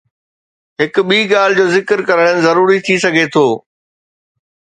هڪ ٻي ڳالهه جو ذڪر ڪرڻ ضروري ٿي سگهي ٿو.